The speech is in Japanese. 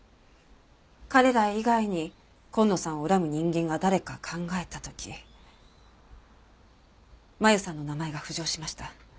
彼ら以外に今野さんを恨む人間が誰か考えた時麻友さんの名前が浮上しました。